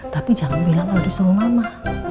tapi jangan bilang ada suruh mama